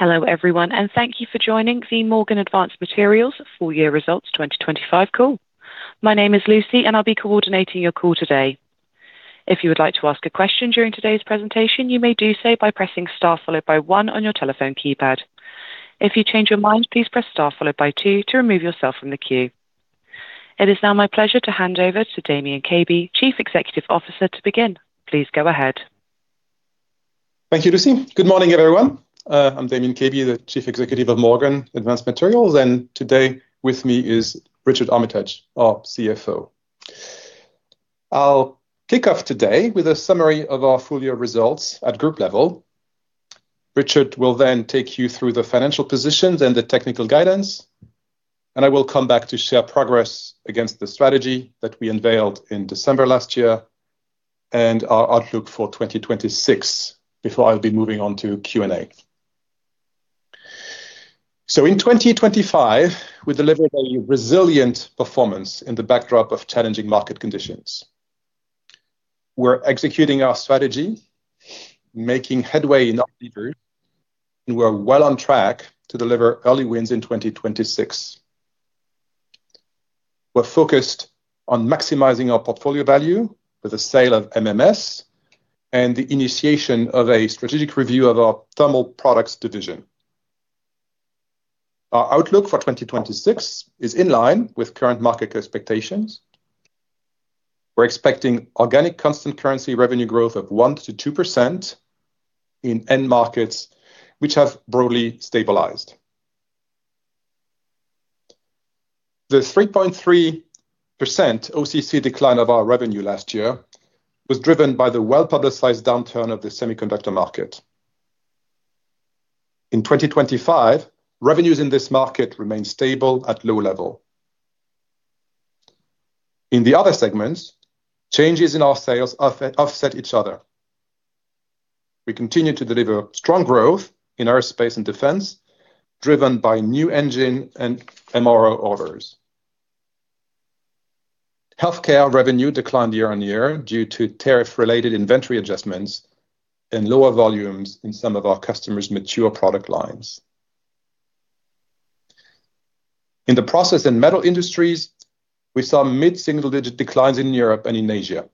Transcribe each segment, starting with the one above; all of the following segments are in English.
Hello everyone, thank you for joining the Morgan Advanced Materials full year results 2025 call. My name is Lucy, I'll be coordinating your call today. If you would like to ask a question during today's presentation, you may do so by pressing star followed by one on your telephone keypad. If you change your mind, please press star followed by two to remove yourself from the queue. It is now my pleasure to hand over to Damien Caby, Chief Executive Officer to begin. Please go ahead. Thank you, Lucy. Good morning, everyone. I'm Damien Caby, the Chief Executive of Morgan Advanced Materials. Today with me is Richard Armitage, our CFO. I'll kick off today with a summary of our full year results at group level. Richard will then take you through the financial positions and the technical guidance. I will come back to share progress against the strategy that we unveiled in December last year and our outlook for 2026 before I'll be moving on to Q&A. In 2025, we delivered a resilient performance in the backdrop of challenging market conditions. We're executing our strategy, making headway in our delivery, and we're well on track to deliver early wins in 2026. We're focused on maximizing our portfolio value with the sale of MMS and the initiation of a strategic review of our Thermal Products division. Our outlook for 2026 is in line with current market expectations. We're expecting organic constant currency revenue growth of 1%-2% in end markets which have broadly stabilized. The 3.3% OCC decline of our revenue last year was driven by the well-publicized downturn of the semiconductor market. In 2025, revenues in this market remained stable at low level. In the other segments, changes in our sales off-offset each other. We continue to deliver strong growth in aerospace and defense, driven by new engine and MRO orders. Healthcare revenue declined year-over-year due to tariff-related inventory adjustments and lower volumes in some of our customers' mature product lines. In the process and metal industries, we saw mid-single-digit declines in Europe and in Asia.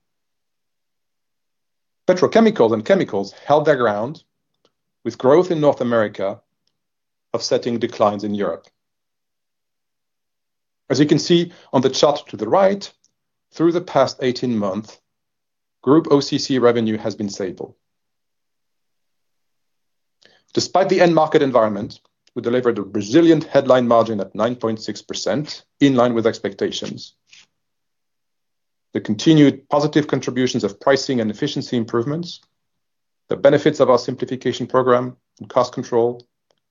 Petrochemicals and chemicals held their ground with growth in North America offsetting declines in Europe. As you can see on the chart to the right, through the past 18 months, group OCC revenue has been stable. Despite the end market environment, we delivered a resilient headline margin at 9.6% in line with expectations. The continued positive contributions of pricing and efficiency improvements, the benefits of our simplification program and cost control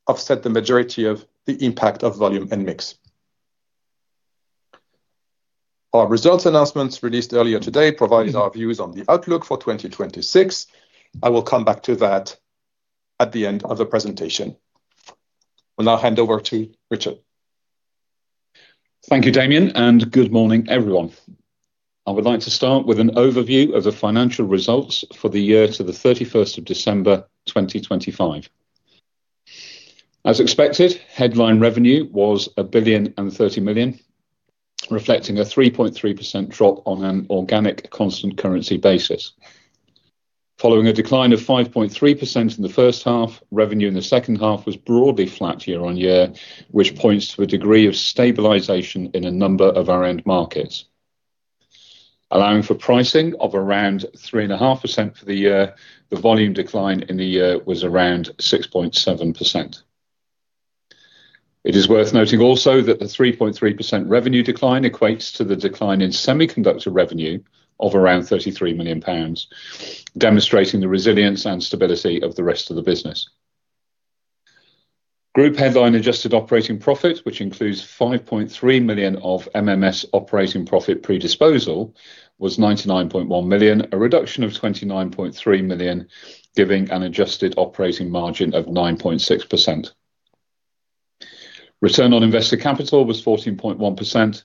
offset the majority of the impact of volume and mix. Our results announcements released earlier today provided our views on the outlook for 2026. I will come back to that at the end of the presentation. Will now hand over to Richard. Thank you, Damian, and good morning, everyone. I would like to start with an overview of the financial results for the year to the 31st of December, 2025. As expected, headline revenue was 1.03 billion, reflecting a 3.3% drop on an organic constant currency basis. Following a decline of 5.3% in the first half, revenue in the second half was broadly flat year-on-year, which points to a degree of stabilization in a number of our end markets. Allowing for pricing of around 3.5% for the year, the volume decline in the year was around 6.7%. It is worth noting also that the 3.3% revenue decline equates to the decline in semiconductor revenue of around 33 million pounds, demonstrating the resilience and stability of the rest of the business. Group headline adjusted operating profit, which includes 5.3 million of MMS operating profit predisposal, was 99.1 million, a reduction of 29.3 million, giving an adjusted operating margin of 9.6%. ROIC was 14.1%,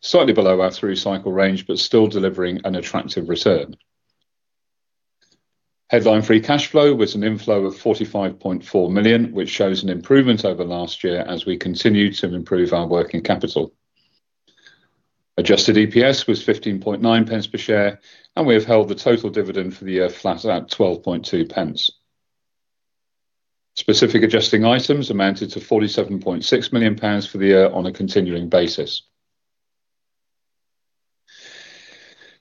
slightly below our through cycle range, but still delivering an attractive return. Headline free cash flow was an inflow of 45.4 million, which shows an improvement over last year as we continue to improve our working capital. Adjusted EPS was 0.159 per share, and we have held the total dividend for the year flat at 0.122. Specific adjusting items amounted to 47.6 million pounds for the year on a continuing basis.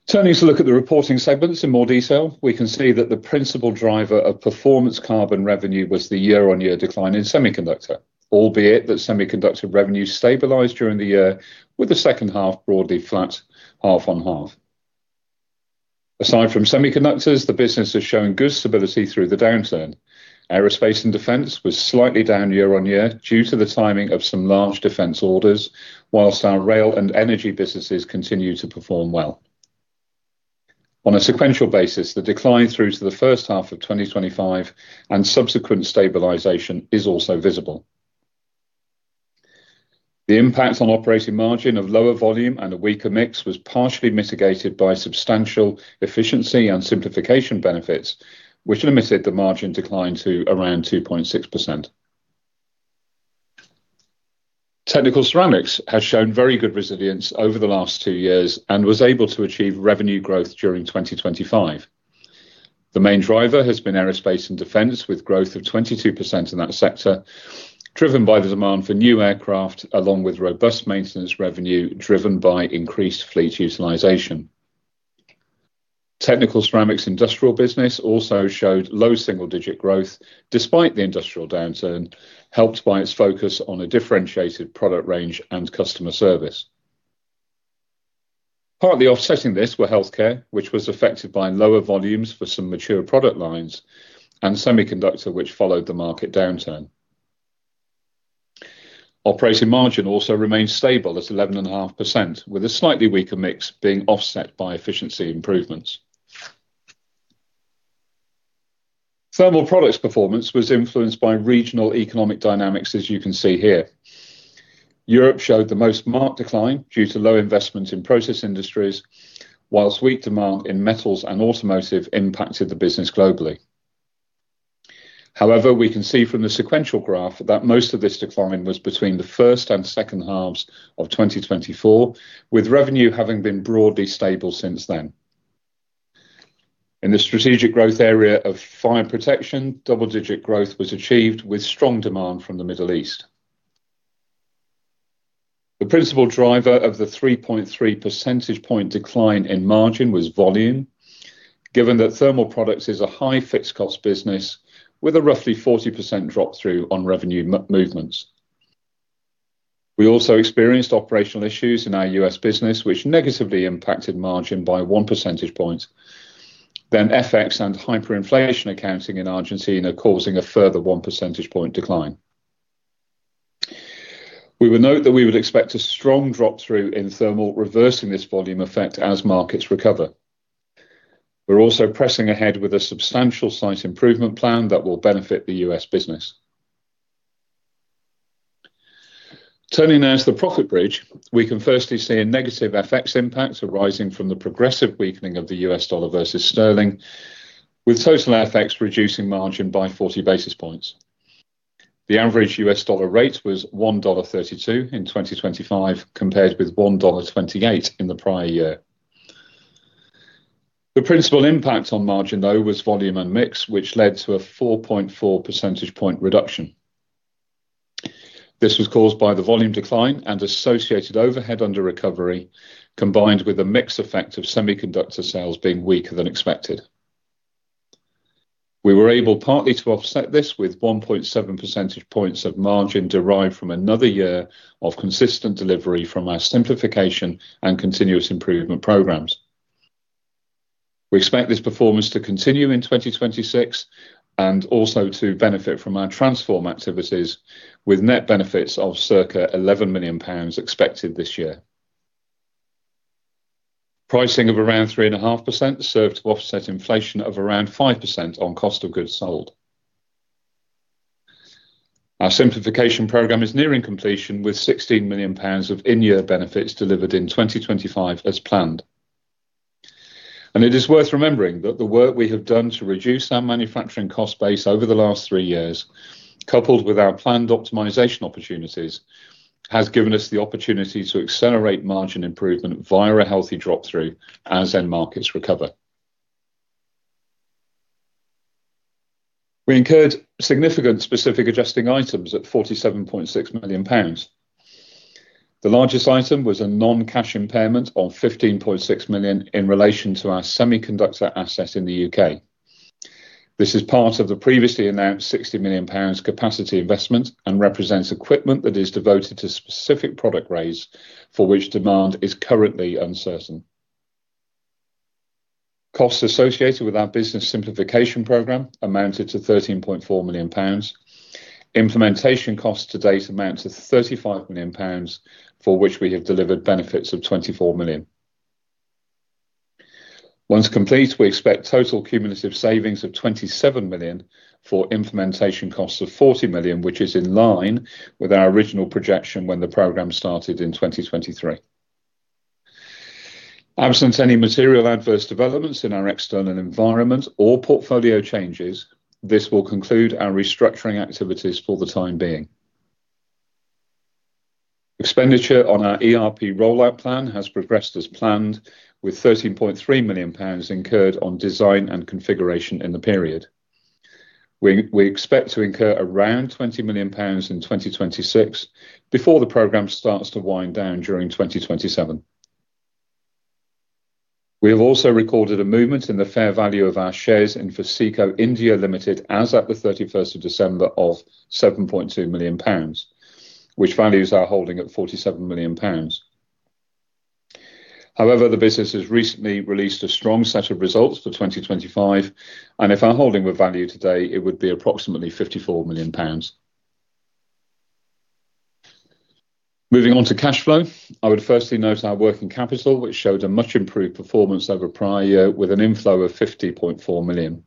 Turning to look at the reporting segments in more detail, we can see that the principal driver of performance carbon revenue was the year-on-year decline in semiconductor, albeit that semiconductor revenue stabilized during the year with the second half broadly flat half on half. Aside from semiconductors, the business is showing good stability through the downturn. Aerospace and defense was slightly down year-on-year due to the timing of some large defense orders, whilst our rail and energy businesses continue to perform well. On a sequential basis, the decline through to the first half of 2025 and subsequent stabilization is also visible. The impact on operating margin of lower volume and a weaker mix was partially mitigated by substantial efficiency and simplification benefits, which limited the margin decline to around 2.6%. Technical Ceramics has shown very good resilience over the last two years and was able to achieve revenue growth during 2025. The main driver has been aerospace and defense, with growth of 22% in that sector, driven by the demand for new aircraft, along with robust maintenance revenue driven by increased fleet utilization. Technical Ceramics industrial business also showed low single-digit growth despite the industrial downturn, helped by its focus on a differentiated product range and customer service. Partly offsetting this were healthcare, which was affected by lower volumes for some mature product lines, and semiconductor, which followed the market downturn. Operating margin also remained stable at 11.5%, with a slightly weaker mix being offset by efficiency improvements. Thermal Products performance was influenced by regional economic dynamics, as you can see here. Europe showed the most marked decline due to low investment in process industries, while weak demand in metals and automotive impacted the business globally. However, we can see from the sequential graph that most of this decline was between the first and second halves of 2024, with revenue having been broadly stable since then. In the strategic growth area of fire protection, double-digit growth was achieved with strong demand from the Middle East. The principal driver of the 3.3 percentage point decline in margin was volume, given that Thermal Products is a high fixed cost business with a roughly 40% drop-through on revenue movements. We also experienced operational issues in our U.S. business, which negatively impacted margin by one percentage point. FX and hyperinflation accounting in Argentina causing a further one percentage point decline. We will note that we would expect a strong drop-through in thermal, reversing this volume effect as markets recover. We're also pressing ahead with a substantial site improvement plan that will benefit the U.S. business. Turning now to the profit bridge. We can firstly see a negative FX impact arising from the progressive weakening of the U.S. dollar versus sterling, with total FX reducing margin by 40 basis points. The average U.S. dollar rate was $1.32 in 2025, compared with $1.28 in the prior year. The principal impact on margin, though, was volume and mix, which led to a 4.4 percentage point reduction. This was caused by the volume decline and associated overhead under recovery, combined with a mix effect of semiconductor sales being weaker than expected. We were able partly to offset this with 1.7 percentage points of margin derived from another year of consistent delivery from our simplification and continuous improvement programs. We expect this performance to continue in 2026 and also to benefit from our transform activities, with net benefits of circa 11 million pounds expected this year. Pricing of around 3.5% served to offset inflation of around 5% on cost of goods sold. Our simplification program is nearing completion, with 16 million pounds of in-year benefits delivered in 2025 as planned. It is worth remembering that the work we have done to reduce our manufacturing cost base over the last three years, coupled with our planned optimization opportunities, has given us the opportunity to accelerate margin improvement via a healthy drop-through as end markets recover. We incurred significant specific adjusting items at 47.6 million pounds. The largest item was a non-cash impairment of 15.6 million in relation to our semiconductor asset in the U.K. This is part of the previously announced GBP 60 million capacity investment and represents equipment that is devoted to specific product range for which demand is currently uncertain. Costs associated with our business simplification program amounted to 13.4 million pounds. Implementation costs to date amount to 35 million pounds, for which we have delivered benefits of 24 million. Once complete, we expect total cumulative savings of 27 million for implementation costs of 40 million, which is in line with our original projection when the program started in 2023. Absent any material adverse developments in our external environment or portfolio changes, this will conclude our restructuring activities for the time being. Expenditure on our ERP rollout plan has progressed as planned, with 13.3 million pounds incurred on design and configuration in the period. We expect to incur around 20 million pounds in 2026 before the program starts to wind down during 2027. We have also recorded a movement in the fair value of our shares in Foseco India as at December 31st of 7.2 million pounds, which values our holding at 47 million pounds. The business has recently released a strong set of results for 2025, and if our holding were valued today, it would be approximately 54 million pounds. Moving on to cash flow. I would firstly note our working capital, which showed a much improved performance over prior year with an inflow of 50.4 million.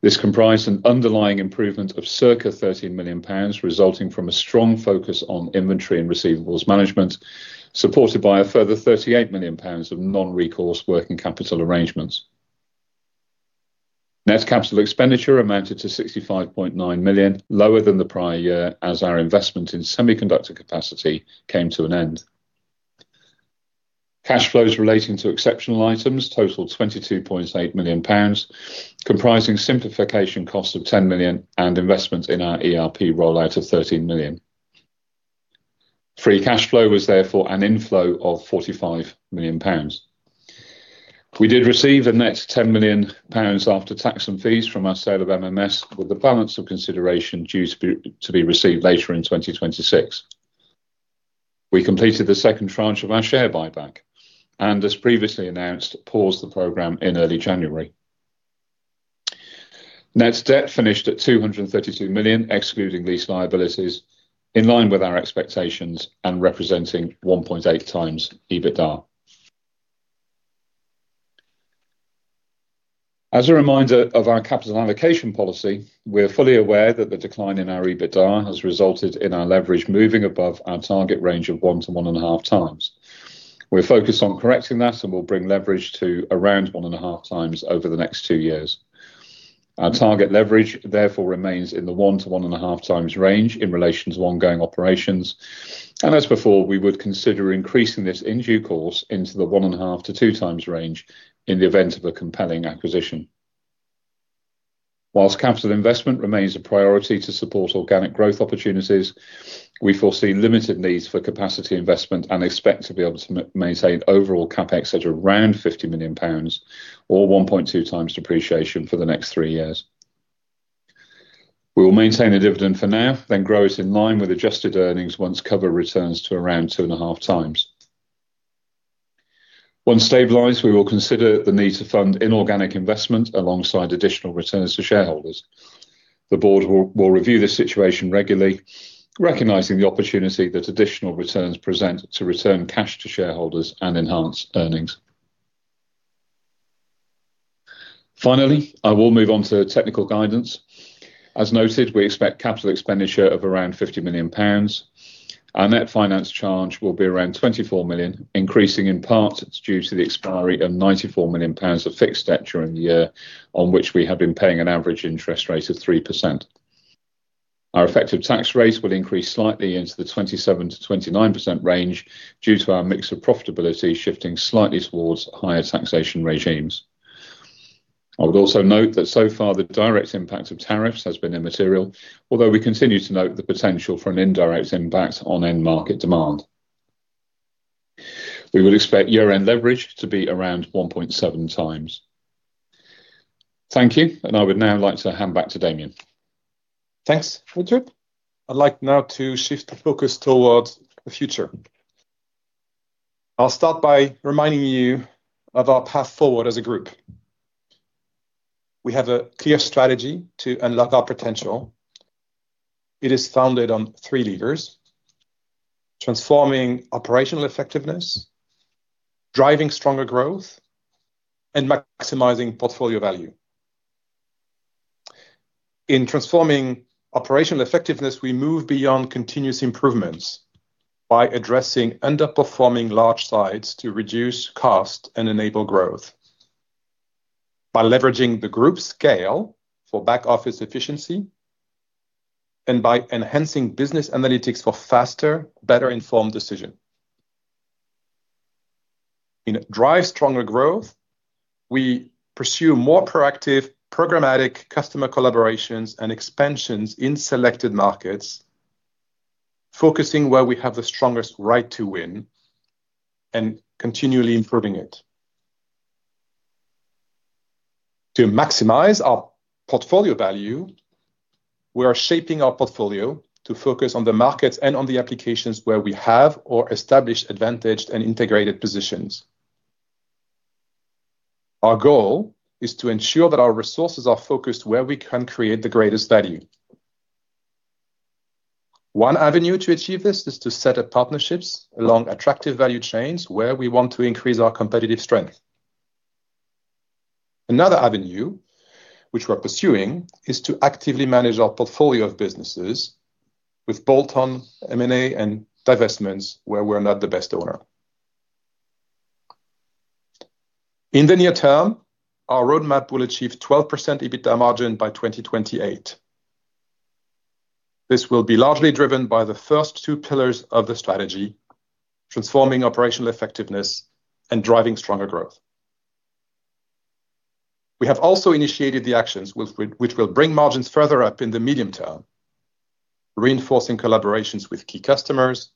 This comprised an underlying improvement of circa 30 million pounds, resulting from a strong focus on inventory and receivables management, supported by a further 38 million pounds of non-recourse working capital arrangements. Net capital expenditure amounted to 65.9 million, lower than the prior year as our investment in semiconductor capacity came to an end. Cash flows relating to exceptional items totaled 22.8 million pounds, comprising simplification costs of 10 million and investment in our ERP rollout of 13 million. Free cash flow was therefore an inflow of 45 million pounds. We did receive a net 10 million pounds after tax and fees from our sale of MMS, with the balance of consideration due to be received later in 2026. We completed the second tranche of our share buyback, and as previously announced, paused the program in early January. Net debt finished at 232 million, excluding lease liabilities, in line with our expectations and representing 1.8x EBITDA. As a reminder of our capital allocation policy, we are fully aware that the decline in our EBITDA has resulted in our leverage moving above our target range of 1x-1.5x. We're focused on correcting that and will bring leverage to around 1.5x over the next two years. Our target leverage therefore remains in the 1x-1.5x range in relation to ongoing operations. As before, we would consider increasing this in due course into the 1.5x-2x range in the event of a compelling acquisition. Whilst capital investment remains a priority to support organic growth opportunities, we foresee limited needs for capacity investment and expect to be able to maintain overall CapEx at around 50 million pounds or 1.2 times depreciation for the next three years. We will maintain the dividend for now, then grow it in line with adjusted earnings once cover returns to around 2.5 times. Once stabilized, we will consider the need to fund inorganic investment alongside additional returns to shareholders. The board will review this situation regularly, recognizing the opportunity that additional returns present to return cash to shareholders and enhance earnings. Finally, I will move on to technical guidance. As noted, we expect capital expenditure of around 50 million pounds. Our net finance charge will be around 24 million, increasing in part due to the expiry of 94 million pounds of fixed debt during the year, on which we have been paying an average interest rate of 3%. Our effective tax rate will increase slightly into the 27%-29% range due to our mix of profitability shifting slightly towards higher taxation regimes. I would also note that so far the direct impact of tariffs has been immaterial, although we continue to note the potential for an indirect impact on end market demand. We would expect year-end leverage to be around 1.7 times. Thank you, I would now like to hand back to Damien. Thanks, Richard. I'd like now to shift the focus towards the future. I'll start by reminding you of our path forward as a group. We have a clear strategy to unlock our potential. It is founded on three levers: transforming operational effectiveness, driving stronger growth, and maximizing portfolio value. In transforming operational effectiveness, we move beyond continuous improvements by addressing underperforming large sites to reduce cost and enable growth, by leveraging the group's scale for back office efficiency, and by enhancing business analytics for faster, better informed decision. In drive stronger growth, we pursue more proactive programmatic customer collaborations and expansions in selected markets, focusing where we have the strongest right to win and continually improving it. To maximize our portfolio value, we are shaping our portfolio to focus on the markets and on the applications where we have or establish advantaged and integrated positions. Our goal is to ensure that our resources are focused where we can create the greatest value. One avenue to achieve this is to set up partnerships along attractive value chains where we want to increase our competitive strength. Another avenue which we're pursuing is to actively manage our portfolio of businesses with bolt-on M&A and divestments where we're not the best owner. In the near term, our roadmap will achieve 12% EBITDA margin by 2028. This will be largely driven by the first two pillars of the strategy, transforming operational effectiveness and driving stronger growth. We have also initiated the actions which will bring margins further up in the medium term, reinforcing collaborations with key customers,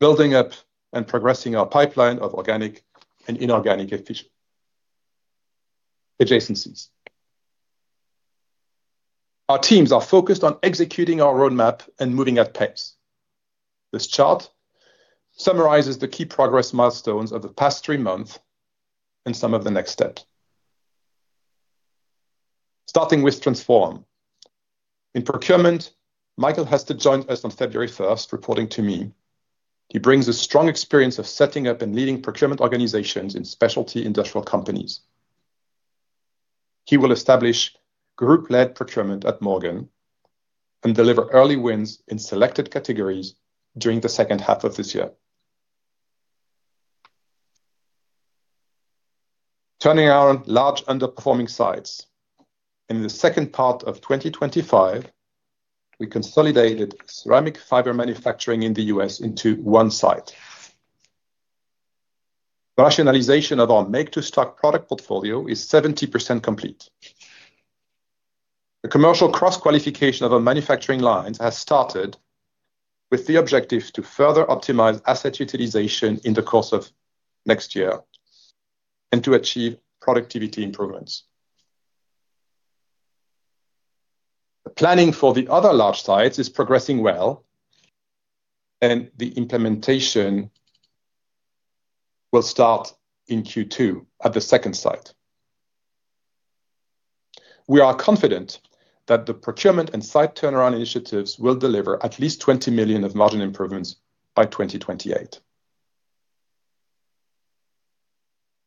building up and progressing our pipeline of organic and inorganic efficient adjacencies. Our teams are focused on executing our roadmap and moving at pace. This chart summarizes the key progress milestones of the past three months and some of the next steps. Starting with transformIn procurement, Michael Hester joined us on February first reporting to me. He brings a strong experience of setting up and leading procurement organizations in specialty industrial companies. He will establish group-led procurement at Morgan and deliver early wins in selected categories during the second half of this year. Turning our large underperforming sites. In the second part of 2025, we consolidated ceramic fiber manufacturing in the U.S. into one site. Rationalization of our make to stock product portfolio is 70% complete. The commercial cross qualification of our manufacturing lines has started with the objective to further optimize asset utilization in the course of next year and to achieve productivity improvements. The planning for the other large sites is progressing well and the implementation will start in Q2 at the second site. We are confident that the procurement and site turnaround initiatives will deliver at least 20 million of margin improvements by 2028.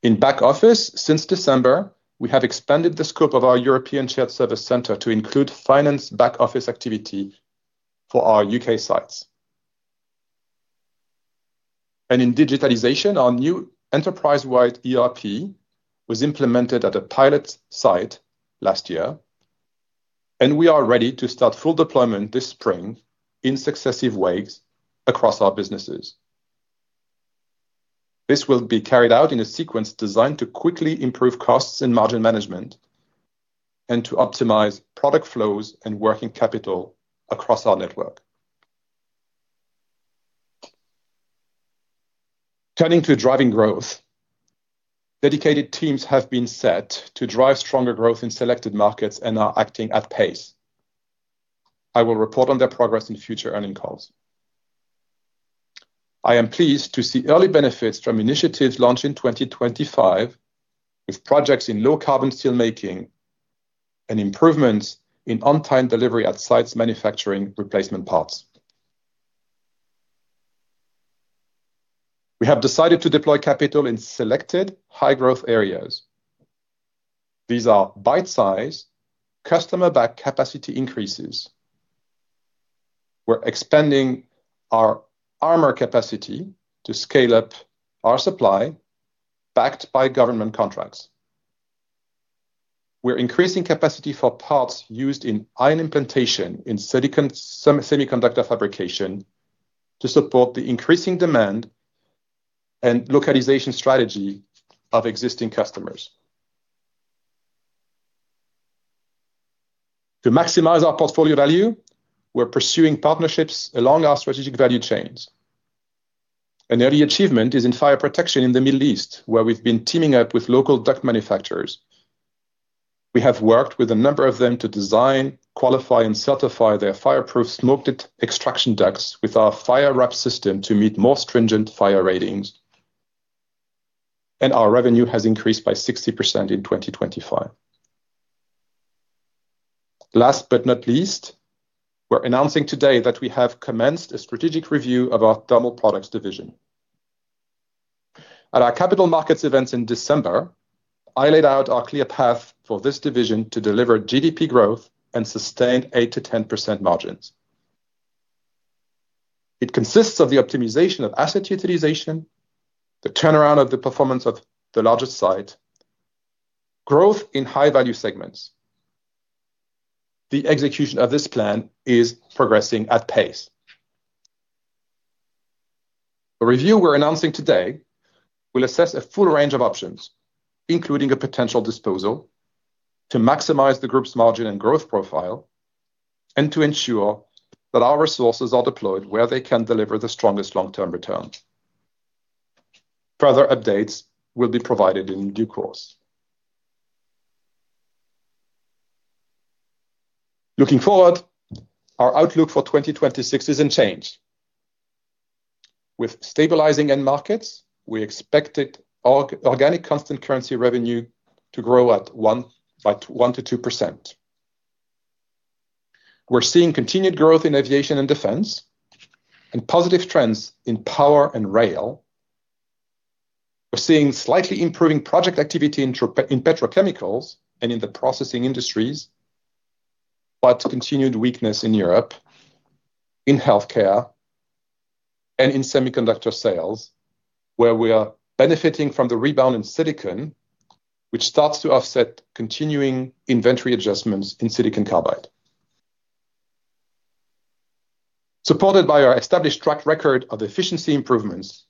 In back office, since December, we have expanded the scope of our European shared service center to include finance back office activity for our U.K. sites. In digitalization, our new enterprise-wide ERP was implemented at a pilot site last year, and we are ready to start full deployment this spring in successive waves across our businesses. This will be carried out in a sequence designed to quickly improve costs and margin management and to optimize product flows and working capital across our network. Turning to driving growth. Dedicated teams have been set to drive stronger growth in selected markets and are acting at pace. I will report on their progress in future earning calls. I am pleased to see early benefits from initiatives launched in 2025 with projects in low carbon steel making and improvements in on-time delivery at sites manufacturing replacement parts. We have decided to deploy capital in selected high growth areas. These are bite-size customer back capacity increases. We're expanding our armor capacity to scale up our supply backed by government contracts. We're increasing capacity for parts used in ion implantation in silicon semiconductor fabrication to support the increasing demand and localization strategy of existing customers. To maximize our portfolio value, we're pursuing partnerships along our strategic value chains. An early achievement is in fire protection in the Middle East, where we've been teaming up with local duct manufacturers. We have worked with a number of them to design, qualify, and certify their fireproof smoke extraction ducts with our Fire Wrap system to meet more stringent fire ratings. Our revenue has increased by 60% in 2025. Last but not least, we're announcing today that we have commenced a strategic review of our Thermal Products division. At our capital markets event in December, I laid out our clear path for this division to deliver GDP growth and sustained 8%-10% margins. It consists of the optimization of asset utilization, the turnaround of the performance of the largest site, growth in high value segments. The execution of this plan is progressing at pace. The review we're announcing today will assess a full range of options, including a potential disposal to maximize the group's margin and growth profile and to ensure that our resources are deployed where they can deliver the strongest long-term return. Further updates will be provided in due course. Looking forward, our outlook for 2026 is unchanged. With stabilizing end markets, we expected organic constant currency revenue to grow by 1%-2%. We're seeing continued growth in aviation and defense, and positive trends in power and rail. We're seeing slightly improving project activity in petrochemicals and in the processing industries, but continued weakness in Europe, in healthcare, and in semiconductor sales, where we are benefiting from the rebound in silicon, which starts to offset continuing inventory adjustments in silicon carbide. Supported by our established track record of efficiency improvements,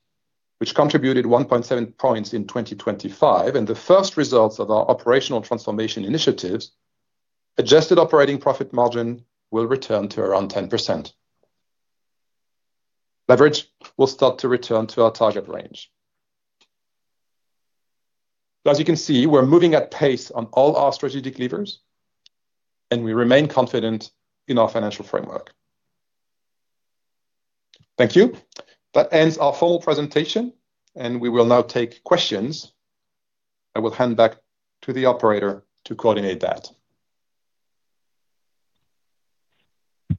which contributed 1.7 points in 2025 and the first results of our operational transformation initiatives, adjusted operating profit margin will return to around 10%. Leverage will start to return to our target range. As you can see, we're moving at pace on all our strategic levers, and we remain confident in our financial framework. Thank you. That ends our full presentation, and we will now take questions. I will hand back to the operator to coordinate that.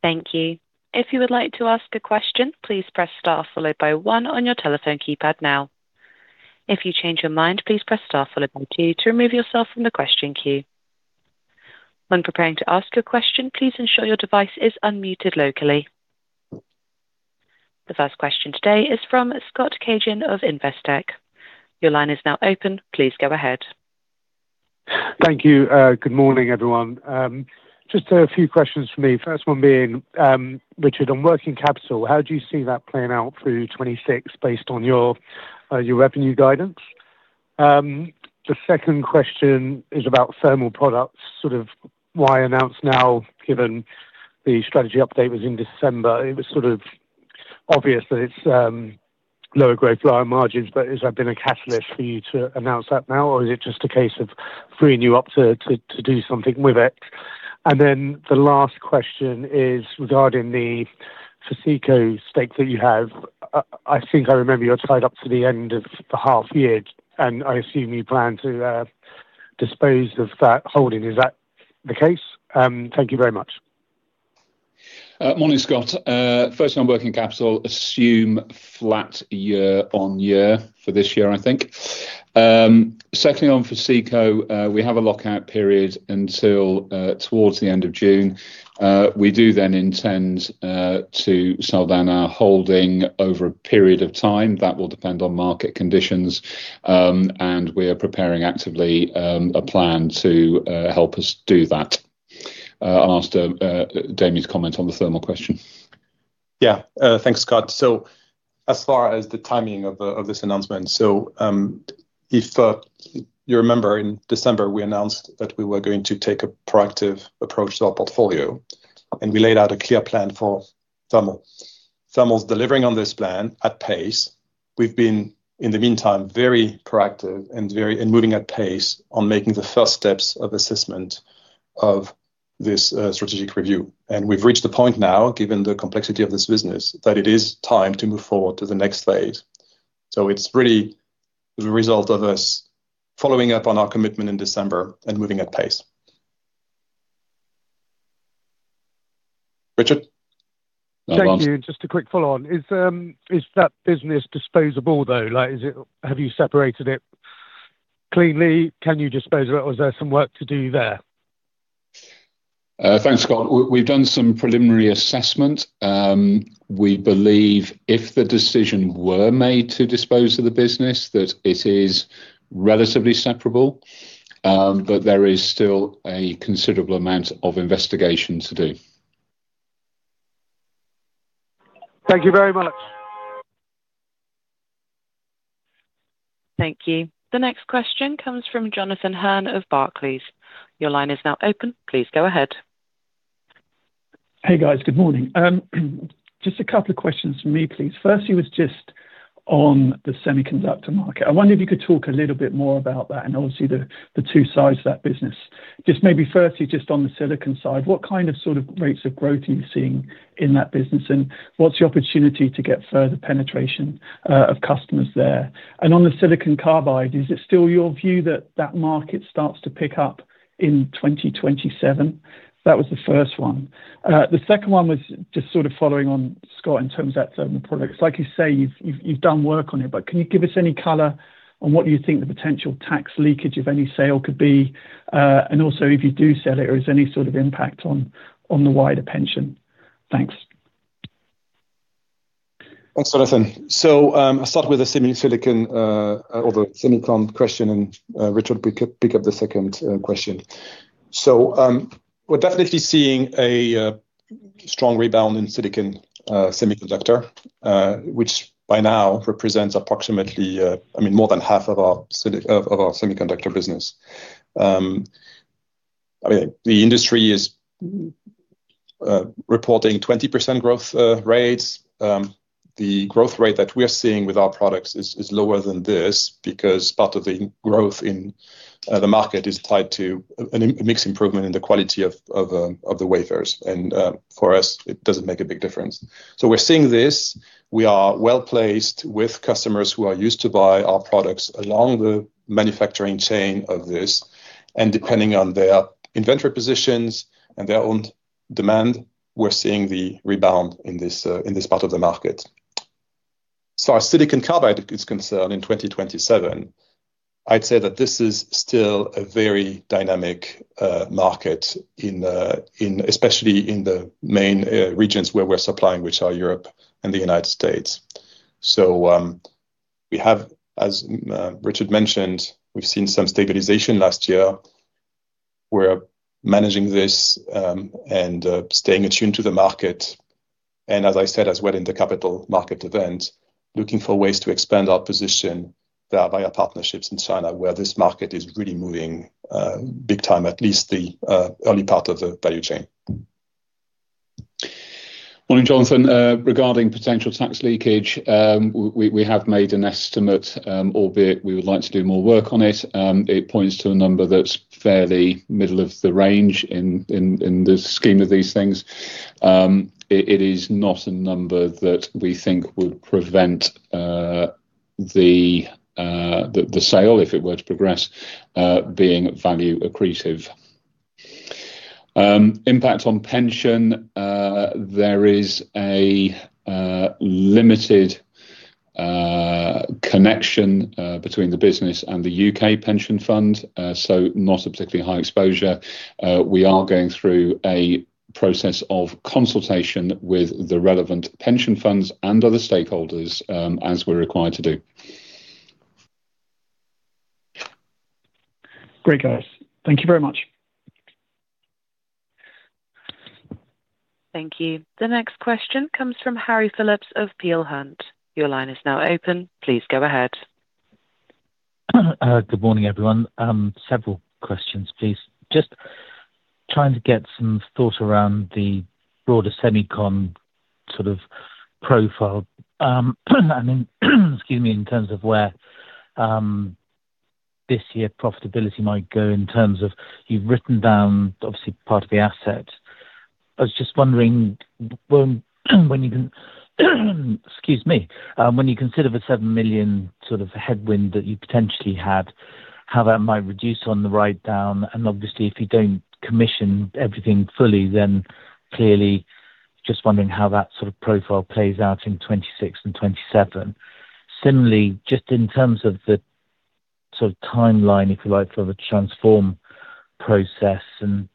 Thank you. If you would like to ask a question, please press star followed by one on your telephone keypad now. If you change your mind, please press star followed by two to remove yourself from the question queue. When preparing to ask a question, please ensure your device is unmuted locally. The first question today is from Scott Cagehin of Investec. Your line is now open. Please go ahead. Thank you. Good morning, everyone. Just a few questions from me. First one being, Richard, on working capital, how do you see that playing out through 2026 based on your revenue guidance? The second question is about Thermal Products, sort of why announce now given the strategy update was in December. It was sort of obvious that it's, lower growth, lower margins, but has that been a catalyst for you to announce that now, or is it just a case of freeing you up to do something with it? The last question is regarding the Foseco stake that you have. I think I remember you're tied up to the end of the half year, and I assume you plan to dispose of that holding. Is that the case? Thank you very much. Morning, Scott. First on working capital, assume flat year-on-year for this year, I think. Secondly on Foseco, we have a lockout period until towards the end of June. We do then intend to sell down our holding over a period of time. That will depend on market conditions, and we are preparing actively a plan to help us do that. I'll ask Damien to comment on the thermal question. Yeah. Thanks, Scott. As far as the timing of this announcement. If you remember in December, we announced that we were going to take a proactive approach to our portfolio, and we laid out a clear plan for Thermal. Thermal's delivering on this plan at pace. We've been, in the meantime, very proactive and moving at pace on making the first steps of assessment of this strategic review. We've reached the point now, given the complexity of this business, that it is time to move forward to the next phase. It's really the result of us following up on our commitment in December and moving at pace. Richard. Thank you. Just a quick follow-on. Is that business disposable though? Like, have you separated it cleanly? Can you dispose of it or is there some work to do there? Thanks, Scott. We've done some preliminary assessment. We believe if the decision were made to dispose of the business that it is relatively separable, but there is still a considerable amount of investigation to do. Thank you very much. Thank you. The next question comes from Jonathan Hurn of Barclays. Your line is now open. Please go ahead. Hey, guys. Good morning. Just a couple of questions from me, please. Firstly, was just on the semiconductor market. I wonder if you could talk a little bit more about that and obviously the two sides to that business. Just maybe firstly, just on the silicon side, what kind of sort of rates of growth are you seeing in that business, and what's your opportunity to get further penetration of customers there? On the silicon carbide, is it still your view that that market starts to pick up in 2027? That was the first one. The second one was just sort of following on Scott in terms of that Thermal Products. Like you say, you've done work on it. Can you give us any color on what you think the potential tax leakage of any sale could be, and also if you do sell it or is there any sort of impact on the wider pension? Thanks. Thanks, Jonathan. I'll start with the semi silicon or the semicon question and Richard pick up the second question. We're definitely seeing a strong rebound in silicon semiconductor, which by now represents approximately, I mean more than half of our semiconductor business. I mean, the industry is reporting 20% growth rates. The growth rate that we are seeing with our products is lower than this because part of the growth in the market is tied to a mix improvement in the quality of the wafers. For us, it doesn't make a big difference. We're seeing this. We are well-placed with customers who are used to buy our products along the manufacturing chain of this. Depending on their inventory positions and their own demand, we're seeing the rebound in this in this part of the market. As silicon carbide is concerned in 2027, I'd say that this is still a very dynamic market in especially in the main regions where we're supplying, which are Europe and the United States. We have, as Richard mentioned, we've seen some stabilization last year. We're managing this and staying attuned to the market. As I said as well in the capital market event, looking for ways to expand our position via partnerships in China where this market is really moving big time, at least the early part of the value chain. Morning, Jonathan. Regarding potential tax leakage, we have made an estimate, albeit we would like to do more work on it. It points to a number that's fairly middle of the range in the scheme of these things. It is not a number that we think would prevent the sale, if it were to progress, being value accretive. Impact on pension, there is a limited connection between the business and the U.K. pension fund, so not a particularly high exposure. We are going through a process of consultation with the relevant pension funds and other stakeholders, as we're required to do. Great, guys. Thank you very much. Thank you. The next question comes from Harry Philips of Peel Hunt. Your line is now open. Please go ahead. Good morning, everyone. Several questions, please. Just trying to get some thought around the broader semicon sort of profile. Excuse me, in terms of where this year profitability might go in terms of you've written down obviously part of the asset. I was just wondering when you can excuse me, when you consider the 7 million sort of headwind that you potentially had, how that might reduce on the write down, and obviously if you don't commission everything fully, then clearly just wondering how that sort of profile plays out in 2026 and 2027. Just in terms of the sort of timeline, if you like, for the transform process and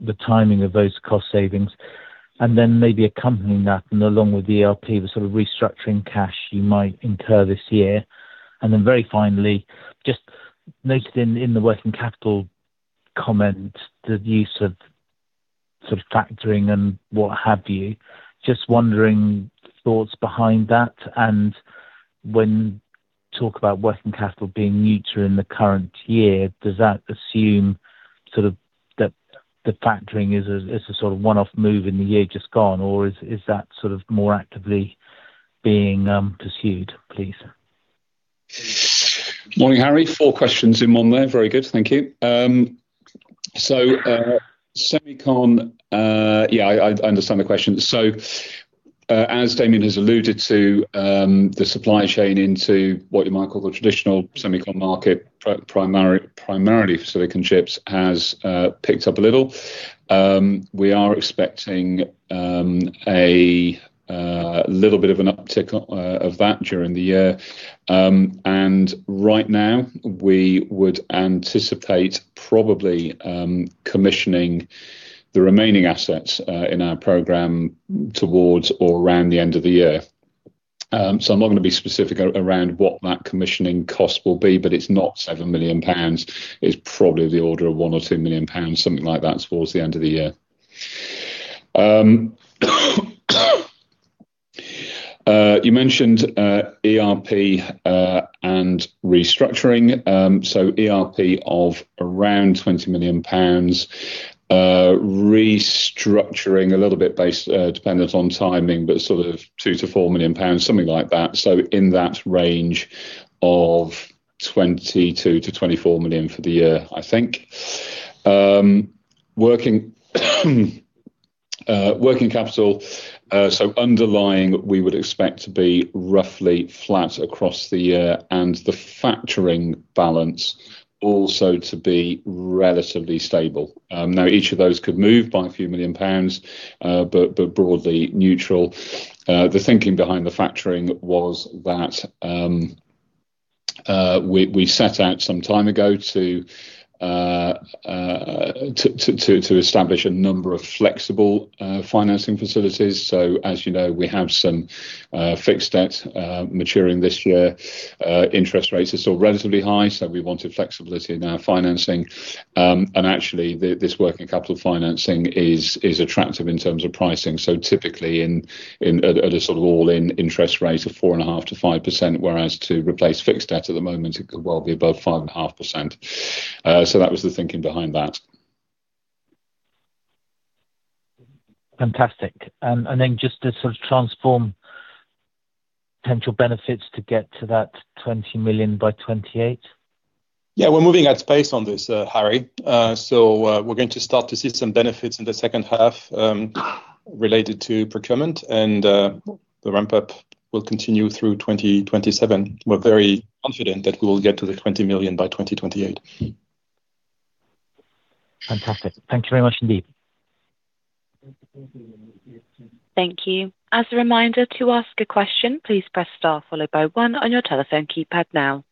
the timing of those cost savings, and then maybe accompanying that and along with the ERP, the sort of restructuring cash you might incur this year. Very finally, just noted in the working capital comment, the use of sort of factoring and what have you. Just wondering thoughts behind that and when talk about working capital being neutral in the current year, does that assume sort of that the factoring is a sort of one-off move in the year just gone, or is that sort of more actively being pursued, please? Morning, Harry. Four questions in one there. Very good. Thank you. semicon, yeah, I understand the question. As Damien has alluded to, the supply chain into what you might call the traditional semicon market primarily for silicon chips has picked up a little. We are expecting a little bit of an uptick of that during the year. And right now we would anticipate probably commissioning the remaining assets in our program towards or around the end of the year. I'm not gonna be specific around what that commissioning cost will be, but it's not 7 million pounds. It's probably the order of 1 million or 2 million pounds, something like that, towards the end of the year. You mentioned ERP and restructuring. ERP of around 20 million pounds, restructuring a little bit based, dependent on timing, but sort of 2 million-4 million pounds, something like that. In that range of 22 million-24 million for the year, I think. Working capital, underlying, we would expect to be roughly flat across the year and the factoring balance also to be relatively stable. Each of those could move by a few million pounds, but broadly neutral. The thinking behind the factoring was that we set out some time ago to establish a number of flexible financing facilities. As you know, we have some fixed debt maturing this year. Interest rates are still relatively high, so we wanted flexibility in our financing. Actually this working capital financing is attractive in terms of pricing. Typically at a sort of all-in interest rate of 4.5%-5%, whereas to replace fixed debt at the moment, it could well be above 5.5%. That was the thinking behind that. Fantastic. Just to sort of transform potential benefits to get to that 20 million by 2028. Yeah, we're moving at space on this, Harry. We're going to start to see some benefits in the second half related to procurement, and the ramp-up will continue through 2027. We're very confident that we will get to the 20 million by 2028. Fantastic. Thank you very much indeed. Thank you. As a reminder to ask a question, please press star followed by one on your telephone keypad now.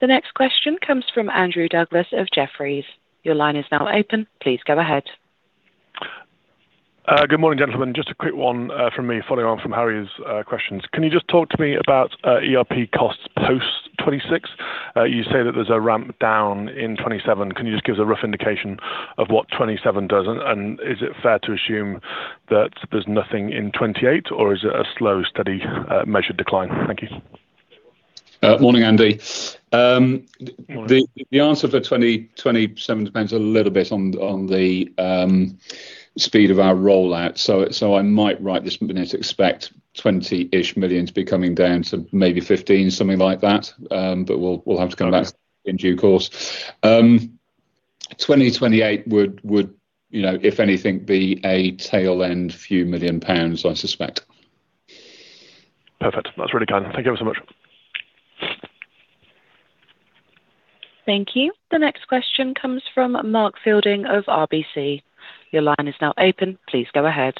The next question comes from Andrew Douglas of Jefferies. Your line is now open. Please go ahead. Good morning, gentlemen. Just a quick one from me following on from Harry's questions. Can you just talk to me about ERP costs post 2026? You say that there's a ramp down in 2027. Can you just give us a rough indication of what 2027 does? Is it fair to assume that there's nothing in 2028, or is it a slow, steady, measured decline? Thank you. Morning, Andy. The answer for 2027 depends a little bit on the speed of our rollout. I might right this minute expect 20-ish million to be coming down to maybe 15 million, something like that. We'll have to come back in due course. 2028 would, you know, if anything, be a tail end few million pounds, I suspect. Perfect. That's really kind. Thank you ever so much. Thank you. The next question comes from Mark Fielding of RBC. Your line is now open. Please go ahead.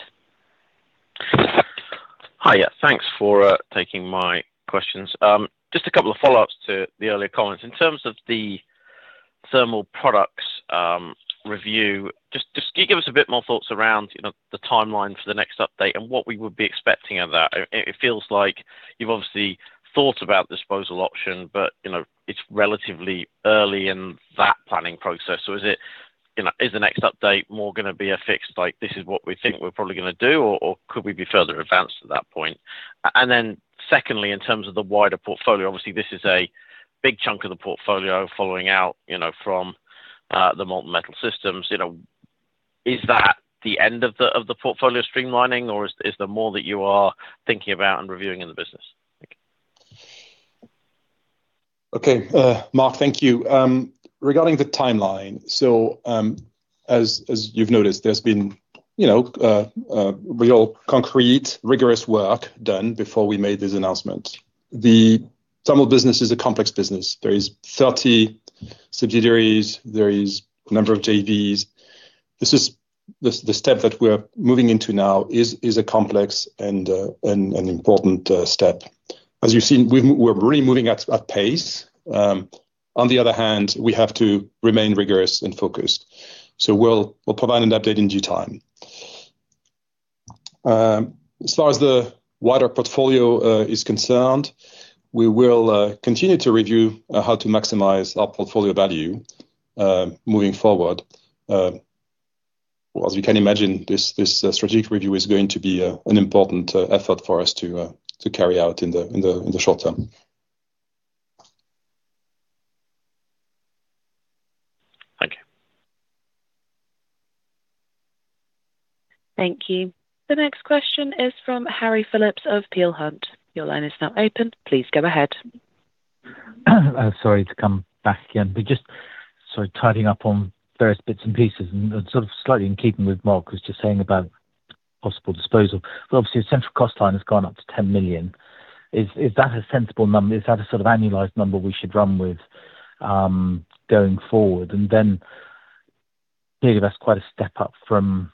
Hi. Thanks for taking my questions. Just a couple of follow-ups to the earlier comments. In terms of the Thermal Products review, can you give us a bit more thoughts around, you know, the timeline for the next update and what we would be expecting of that. It feels like you've obviously thought about disposal option, but, you know, it's relatively early in that planning process. Is it, you know, is the next update more gonna be a fixed, like, this is what we think we're probably gonna do or could we be further advanced at that point? Secondly, in terms of the wider portfolio, obviously this is a big chunk of the portfolio following out, you know, from the Molten Metal Systems, you know. Is that the end of the portfolio streamlining or is there more that you are thinking about and reviewing in the business? Thank you. Okay. Mark, thank you. Regarding the timeline, as you've noticed, there's been, you know, a real concrete, rigorous work done before we made this announcement. The Thermal business is a complex business. There is 30 subsidiaries, there is a number of JVs. This is the step that we're moving into now is a complex and an important step. As you've seen, we're really moving at pace. On the other hand, we have to remain rigorous and focused. We'll provide an update in due time. As far as the wider portfolio is concerned, we will continue to review how to maximize our portfolio value moving forward. As you can imagine, this strategic review is going to be an important effort for us to carry out in the short term. Thank you. Thank you. The next question is from Harry Phillips of Peel Hunt. Your line is now open. Please go ahead. Sorry to come back again. We're just sort of tidying up on various bits and pieces and sort of slightly in keeping with Mark was just saying about possible disposal. Obviously a central cost line has gone up to 10 million. Is that a sensible number? Is that a sort of annualized number we should run with going forward? Clearly that's quite a step up from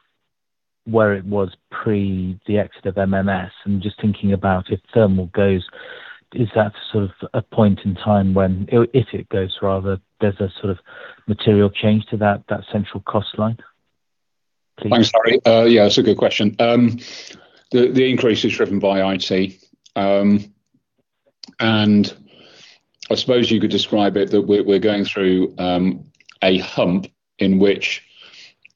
where it was pre the exit of MMS and just thinking about if Thermal goes, is that sort of a point in time if it goes rather, there's a sort of material change to that central cost line, please. Thanks, Harry. Yeah, it's a good question. The increase is driven by IT. I suppose you could describe it that we're going through a hump in which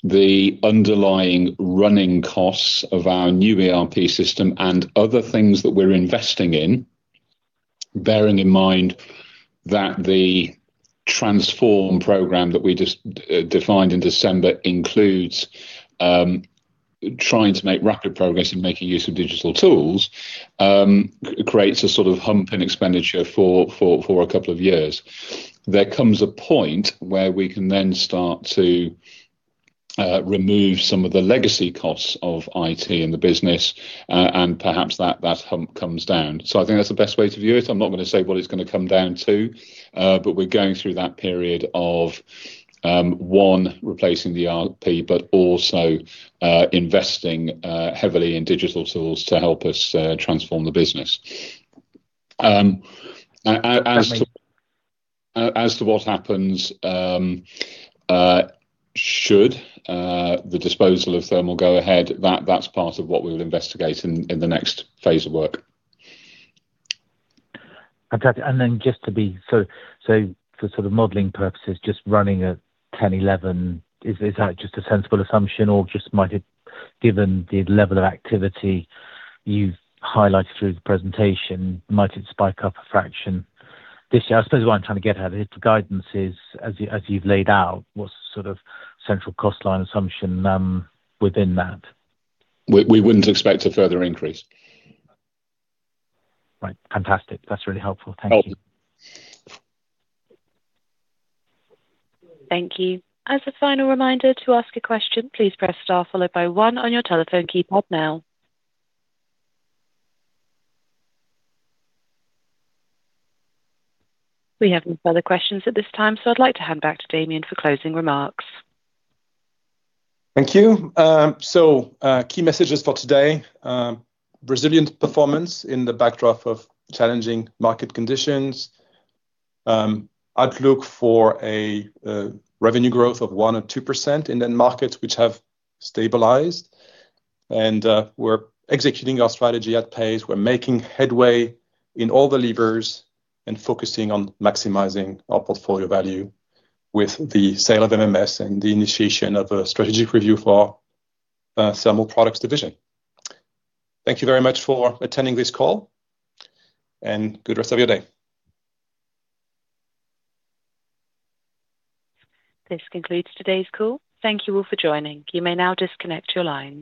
the underlying running costs of our new ERP system and other things that we're investing in, bearing in mind that the transform program that we just defined in December includes trying to make rapid progress in making use of digital tools, creates a sort of hump in expenditure for a couple of years. There comes a point where we can then start to remove some of the legacy costs of IT in the business, and perhaps that hump comes down. I think that's the best way to view it. I'm not gonna say what it's gonna come down to, but we're going through that period of, one, replacing the ERP, but also, investing, heavily in digital tools to help us transform the business. As to what happens, should the disposal of Thermal go ahead, that's part of what we would investigate in the next phase of work. Okay. Then just for sort of modeling purposes, just running at 10, 11, is that just a sensible assumption or just might it, given the level of activity you've highlighted through the presentation, might it spike up a fraction this year? I suppose what I'm trying to get at is the guidance is, as you've laid out, what's the sort of central cost line assumption within that? We wouldn't expect a further increase. Right. Fantastic. That's really helpful. Thank you. Thank you. As a final reminder to ask a question, please press star followed by one on your telephone keypad now. We have no further questions at this time. I'd like to hand back to Damien for closing remarks. Thank you. So, key messages for today, resilient performance in the backdrop of challenging market conditions. Outlook for a revenue growth of 1% or 2% in the markets which have stabilized. We're executing our strategy at pace. We're making headway in all the levers and focusing on maximizing our portfolio value with the sale of MMS and the initiation of a strategic review for Thermal Products division. Thank you very much for attending this call, good rest of your day. This concludes today's call. Thank you all for joining. You may now disconnect your lines.